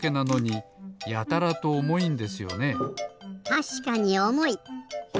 たしかにおもい！